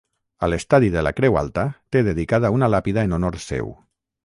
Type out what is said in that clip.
A l'estadi de la Creu Alta té dedicada una làpida en honor seu.